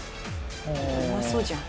うまそうじゃん。